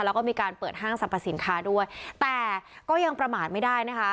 แล้วก็มีการเปิดห้างสรรพสินค้าด้วยแต่ก็ยังประมาทไม่ได้นะคะ